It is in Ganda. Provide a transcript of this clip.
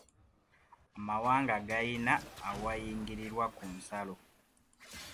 Amawanga gayina awayingirirwa ku nsalo.